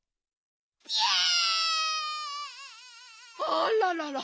あららら。